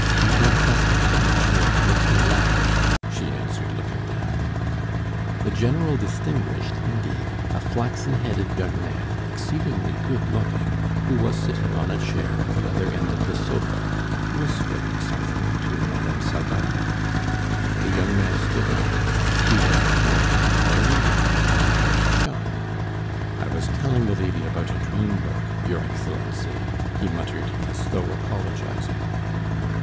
"Ivan Kostenkinitch, here, makes me laugh," she answered, looking down. The general distinguished, indeed, a flaxen headed young man, exceedingly good looking, who was sitting on a chair at the other end of the sofa, whispering something to Madame Pseldonimov. The young man stood up. He was apparently very young and very shy. "I was telling the lady about a 'dream book,' your Excellency," he muttered as though apologising.